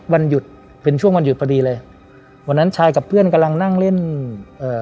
วันหยุดเป็นช่วงวันหยุดพอดีเลยวันนั้นชายกับเพื่อนกำลังนั่งเล่นเอ่อ